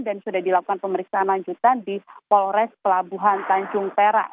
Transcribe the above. dan sudah dilakukan pemeriksaan lanjutan di polres pelabuhan tanjung perak